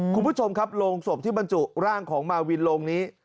คุณผู้ชมครับโรงศพที่บรรจุร่างของมาวินโรงนี้